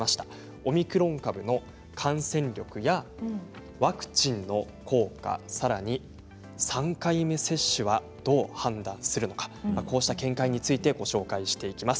オミクロン株の感染力やワクチンの効果さらに３回目接種はどう判断するのかこうした見解についてご紹介していきます。